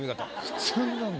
普通なんだ。